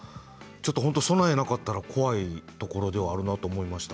備えがなかったら怖いところではあるんだと思いました。